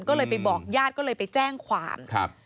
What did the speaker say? ก็เลยไปบอกญาติไปแจ้งขวาม